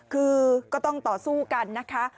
คือก็ต้องต่อสู้กันนะคะ